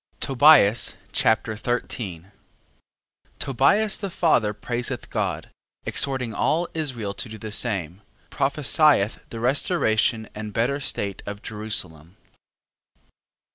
Tobias Chapter 13 Tobias the father praiseth God, exhorting all Israel to do the same. Prophesieth the restoration and better state of Jerusalem.